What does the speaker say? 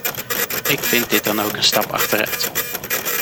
Ik vind dit dan ook een stap achteruit.